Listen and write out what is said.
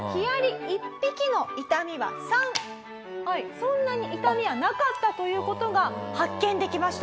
そんなに痛みはなかったという事が発見できました。